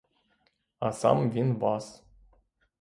А сам він вас.